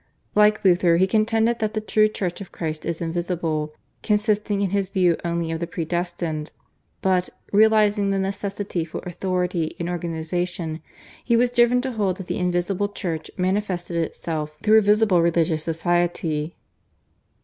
Like Luther he contended that the true Church of Christ is invisible, consisting in his view only of the predestined, but, realising the necessity for authority and organisation, he was driven to hold that the invisible Church manifested itself through a visible religious society.